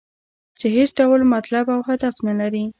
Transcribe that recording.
چې هېڅ ډول مطلب او هدف نه لري.